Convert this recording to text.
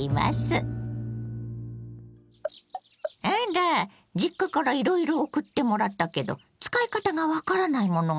あら実家からいろいろ送ってもらったけど使い方が分からないものがあるって？